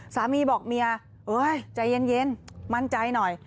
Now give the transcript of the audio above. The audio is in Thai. สามีบอกเมียใจเย็นมั่นใจหน่อย